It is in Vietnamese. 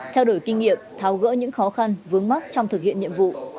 trao đổi kinh nghiệm tháo gỡ những khó khăn vướng mắt trong thực hiện nhiệm vụ